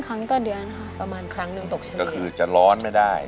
เหนื่อยมากก็ไม่ได้